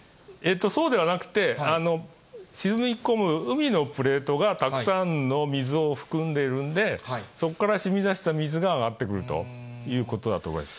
そうではなくて、沈み込む海のプレートがたくさんの水を含んでいるんで、そこからしみ出した水が上がってくるということだと思います。